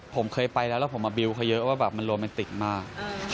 ผมเคยไปแล้วแล้วผมมาบิวเขาเยอะว่าแบบมันโรแมนติกมาก